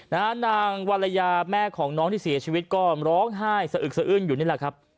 นางวรรยาแม่ของน้องที่เสียชีวิตก็ร้องไห้สะอึกสะอื้นอยู่นี่แหละครับ